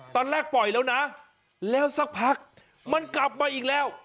ปล่อยแล้วนะแล้วสักพักมันกลับมาอีกแล้ว